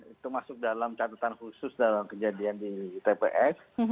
itu masuk dalam catatan khusus dalam kejadian di tps